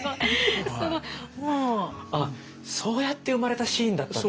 あっそうやって生まれたシーンだったんですね。